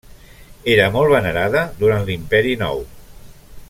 Era molt venerada durant l'Imperi Nou.